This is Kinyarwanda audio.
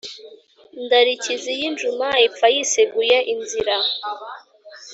ndarikizi y'injuma ipfa yiseguye inzira.